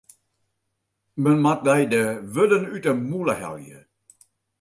Men moat dy de wurden út 'e mûle helje.